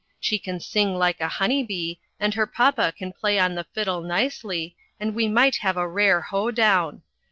She can sing like a hunny bee and her papa can play on the fiddle nicely and we might have a rare ho down.